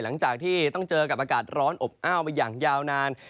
หลังจากที่ต้องเจอกับอากาศร้อนอบอ้าวมาอย่างยาวนาน